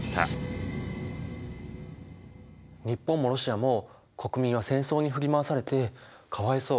日本もロシアも国民は戦争に振り回されてかわいそう。